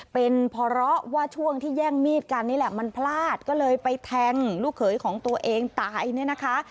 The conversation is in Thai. เป็นเพราะว่าช่วงที่แย่งมีดกันนี่แหละมันพลาดก็เลยไปแทงลูกเขยของตัวเองตายเนี่ยนะคะ